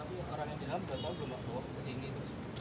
tapi orang yang di dalam sudah tahu belum bahwa kesini terus